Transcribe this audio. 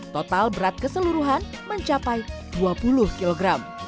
total berat keseluruhan mencapai dua puluh kg